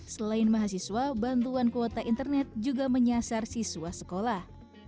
selain mahasiswa bantuan kuota internet juga menyasar siswa sekolah